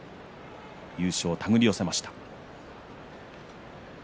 優勝を手繰り寄せました。